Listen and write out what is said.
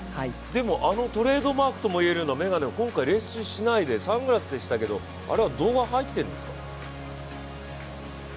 でもあのトレードマークといえるような眼鏡を今回レース中しなくてサングラスでしたけど、あれは度が入ってるんですか？